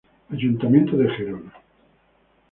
Ayuntamiento de Girona.